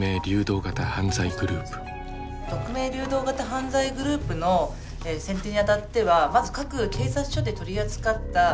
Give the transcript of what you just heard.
匿名・流動型犯罪グループの選定にあたってはまず各警察署で取り扱った。